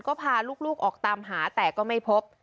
ก็พาลูกออกตามหาแต่ก็ไม่พบ